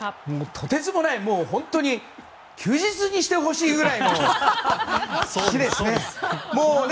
とてつもない本当に休日にしてほしいぐらいの日ですね！